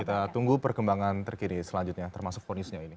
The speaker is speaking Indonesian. kita tunggu perkembangan terkini selanjutnya termasuk fonisnya ini